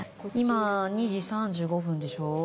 今２時３５分でしょ？